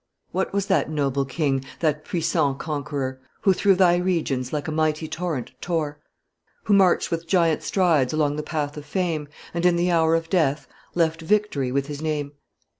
What was that noble king, that puissant conqueror, Who through thy regions, like a mighty torrent, tore? Who marched with giant strides along the path of fame, And, in the hour of death, left victory with his name?